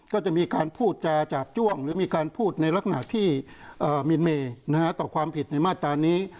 ก็จะมีการพูดจาจาบจ้วงหรือมีการพูดในลักษณะที่มินเมต่อความผิดในมาตรานี้